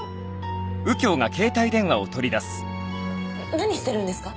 何してるんですか？